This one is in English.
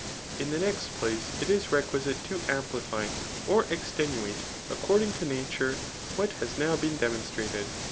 In the next place, it is requisite to amplify or extenuate, according to nature^ what has now been demonstrated.